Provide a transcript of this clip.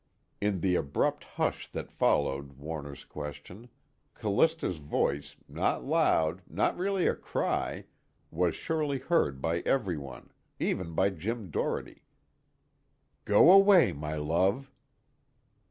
In the abrupt hush that followed Warner's question, Callista's voice, not loud, not really a cry, was surely heard by everyone, even by Jim Doherty. "Go away, my love!"